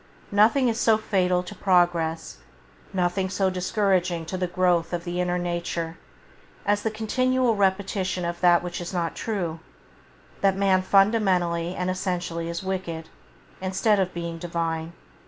Nothing is so fatal to progress, nothing so discouraging to the growth of the inner nature, as the continual repetition of that which is not true: that man fundamentally and essentially is wicked, instead of being Divine.